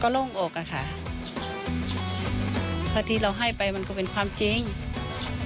เราเป็นคนขายให้ครูชายจริงค่ะ